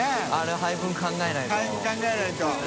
配分考えないと。